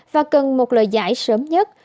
và cần một lời giải sớm nhất